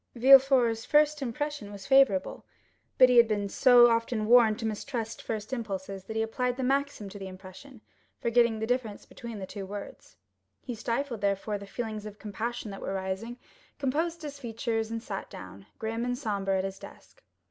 Villefort's first impression was favorable; but he had been so often warned to mistrust first impulses, that he applied the maxim to the impression, forgetting the difference between the two words. He stifled, therefore, the feelings of compassion that were rising, composed his features, and sat down, grim and sombre, at his desk.